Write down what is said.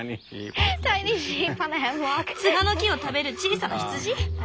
ツガの木を食べる小さな羊？